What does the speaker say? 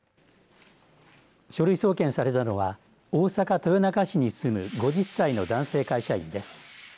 書類送検されたのは大阪、豊中市に住む５０歳の男性会社員です。